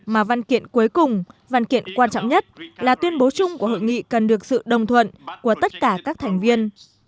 mà văn kiện cuối cùng văn kiện quan trọng nhất là tuyên bố chung của hội nghị cần được sự đồng thuận của tất cả các thành viên